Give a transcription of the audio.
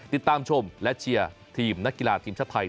ติดตามชมและเชียร์ทีมนักกีฬาทีมชาติไทย